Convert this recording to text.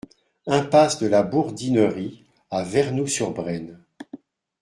Impasse de la Bourdinerie à Vernou-sur-Brenne